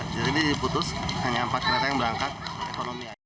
jadi diputus hanya empat kereta yang berangkat